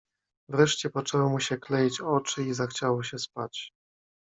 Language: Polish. "Wreszcie poczęły mu się kleić oczy i zachciało się spać."